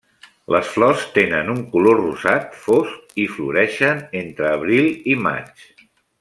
Les flors tenen un color rosat fosc i floreixen entre abril i maig.